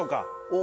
お！